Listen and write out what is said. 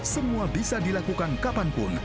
semua bisa dilakukan kapanpun